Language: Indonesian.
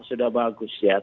sudah bagus ya